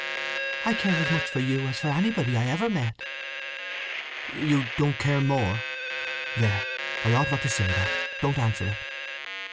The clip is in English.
"I care as much for you as for anybody I ever met." "You don't care more! There, I ought not to say that. Don't answer it!"